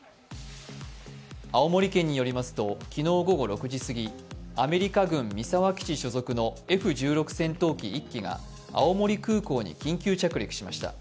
青森県によりますと昨日午後６時すぎアメリカ軍三沢基地所属のＦ１６戦闘機１機が青森空港に緊急着陸しました。